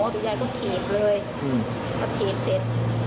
พี่ยายก็ทีบเลยพอทีบเสร็จ